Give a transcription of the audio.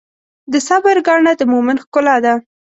د صبر ګاڼه د مؤمن ښکلا ده.